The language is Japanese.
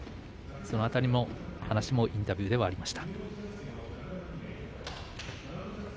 その辺りの話もインタビューでありました。